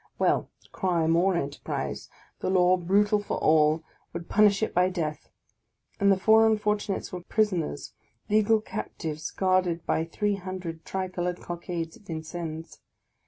Well ! crime or enterprise, — the law, brutal for all, would punish it by death ; and the four unfortunates were prisoners, legal captives guarded by three hundred tri coloured cockades at Vincennes.